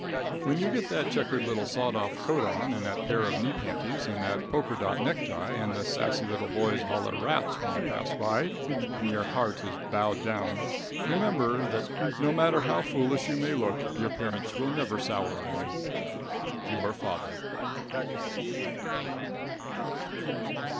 When you get that checkered little sawed off coat on, and that pair of knee panties, and that poker dot necktie, and the sassy little boys holler "rats" when you pass by, and your heart is bowed down, remember that, no matter how foolish you may look, your parents will never sour on you. Your Father.